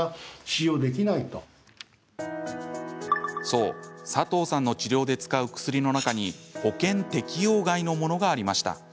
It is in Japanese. そう、佐藤さんの治療で使う薬の中に保険適用外のものがありました。